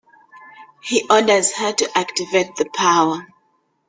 He orders her to activate the power.